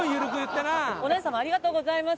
お姉様ありがとうございます。